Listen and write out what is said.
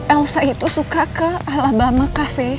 elsa itu suka ke alabama kafe